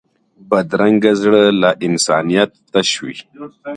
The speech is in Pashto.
بدرنګه زړه له انسانیت تش وي